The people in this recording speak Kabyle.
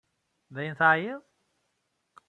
Dayen teɛyiḍ?